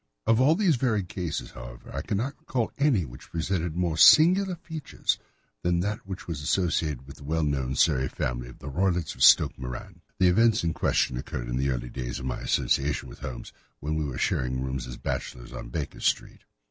Of all these varied cases, however, I cannot recall any which presented more singular features than that which was associated with the well known Surrey family of the Roylotts of Stoke Moran. The events in question occurred in the early days of my association with Holmes, when we were sharing rooms as bachelors in Baker Street.